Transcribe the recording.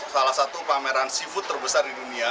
salah satu pameran seafood terbesar di dunia